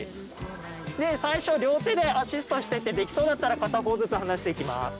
最初両手でアシストしてってできそうだったら片方ずつ離していきます。